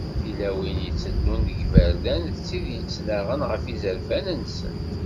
Tilawin iteddun deg yiberdan, d tid ittennaɣen ɣef yizerfan-nsent.